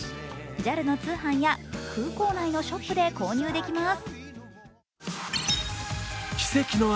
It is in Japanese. ＪＡＬの通販や空港内のショップで購入できます。